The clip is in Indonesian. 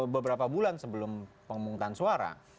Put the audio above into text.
beberapa bulan sebelum pemungutan suara